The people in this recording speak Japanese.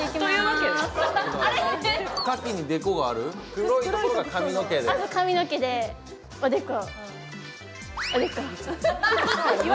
黒いところが髪の毛でおでこ